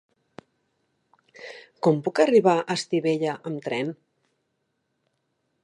Com puc arribar a Estivella amb tren?